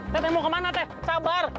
teh teh mau kemana teh sabar